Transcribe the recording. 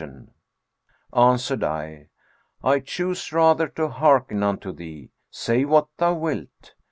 '[FN#434] Answered I, 'I choose rather to hearken unto thee: say what thou wilt.'